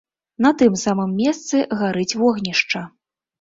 На тым самым месцы гарыць вогнішча.